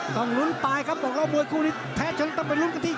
ต้องลุ้นปลายครับบอกว่ามวยคู่นี้แพ้เชิงต้องไปลุ้นกันที่